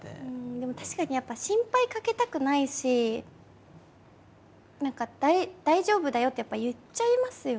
でも確かにやっぱ心配かけたくないし「大丈夫だよ」ってやっぱ言っちゃいますよね。